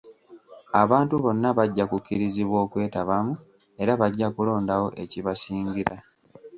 Abantu bonna bajja kukkirizibwa okwetabamu era bajja kulondawo ekibasingira.